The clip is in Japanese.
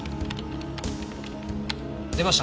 出ました。